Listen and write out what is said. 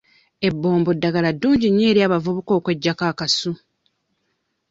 Ebbombo ddagala ddungi nnyo eri abavubuka okweggyako akasu.